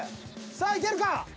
さあいけるか？